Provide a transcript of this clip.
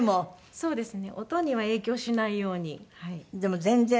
そうですね。